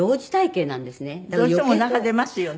どうしてもおなか出ますよね。